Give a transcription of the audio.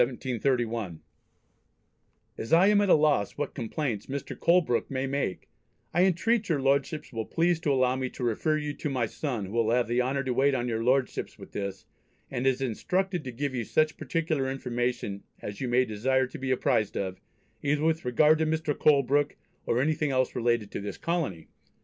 As I am at a loss what complaints Mr. Colebrooke may make, I entreat your Lordships will please to allow me to refer you to my son who will have the honour to wait on your Lordships with this, and is instructed to give you such particular information, as you may desire to be apprised of, either with regard to Mr. Colebrooke, or anything else relating to this colony.